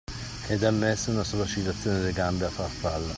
Ed è ammesso una singola oscillazione delle gambe a farfalla.